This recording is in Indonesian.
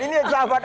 ini sahabat aku